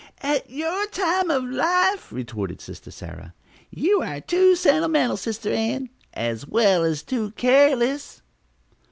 "At your time of life!" retorted Sister Sarah. "You are too sentimental, Sister Ann, as well as too careless."